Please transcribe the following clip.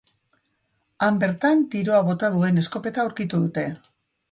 Han bertan tiroa bota duen eskopeta aurkitu dute.